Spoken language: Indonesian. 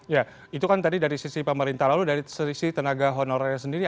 ya itu kan tadi dari sisi pemerintah lalu dari sisi tenaga honorernya sendiri